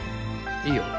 いいよ。